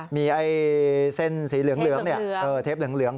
มีเส้นสีเหลืองเทปเหลือง